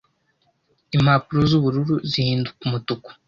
Impapuro z'ubururu zihinduka umutuku